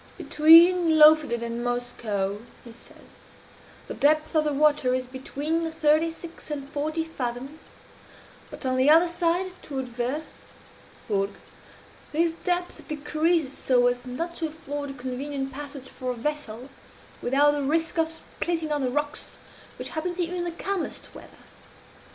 "Between Lofoden and Moskoe," he says, "the depth of the water is between thirty six and forty fathoms; but on the other side, toward Ver (Vurrgh), this depth decreases so as not to afford a convenient passage for a vessel, without the risk of splitting on the rocks, which happens even in the calmest weather.